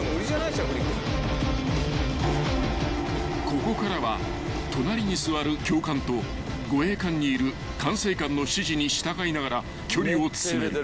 ［ここからは隣に座る教官と護衛艦にいる管制官の指示に従いながら距離を詰める］